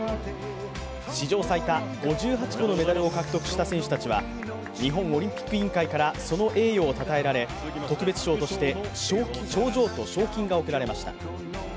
史上最多５８個のメダルを獲得した選手たちは日本オリンピック委員会からその栄誉をたたえられ、特別賞として賞状と賞金が贈られました。